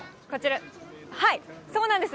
そうなんです。